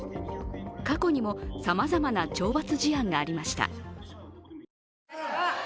過去にもさまざまな懲罰事案がありました。